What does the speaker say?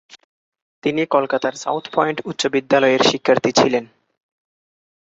তিনি কলকাতার South Point উচ্চ বিদ্যালয়ের শিক্ষার্থী ছিলেন।